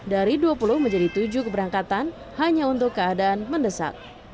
dari dua puluh menjadi tujuh keberangkatan hanya untuk keadaan mendesak